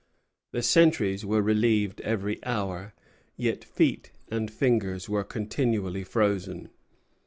The sentries were relieved every hour; yet feet and fingers were continually frozen.